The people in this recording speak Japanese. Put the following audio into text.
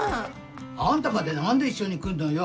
あんたまで何で一緒に来んのよ。